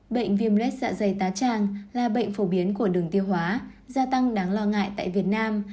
bệnh viêm lết dạ dày tá tràng là bệnh phổ biến của đường tiêu hóa gia tăng đáng lo ngại tại việt nam